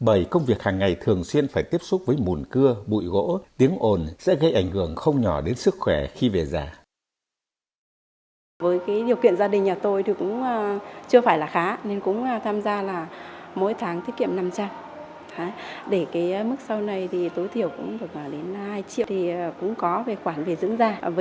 bởi công việc hàng ngày thường xuyên phải tiếp xúc với mùn cưa bụi gỗ tiếng ồn sẽ gây ảnh hưởng không nhỏ đến sức khỏe khi về già